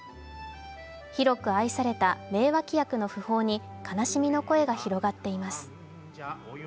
広く愛された名脇役の訃報に悲しみの声が広がっています。